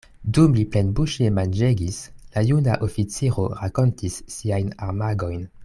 Dum li plenbuŝe manĝegis, la juna oficiro rakontis siajn armagojn.